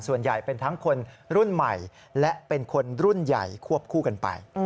ส่วนใหญ่เป็นทั้งคนรุ่นใหม่และเป็นคนรุ่นใหญ่ควบคู่กันไป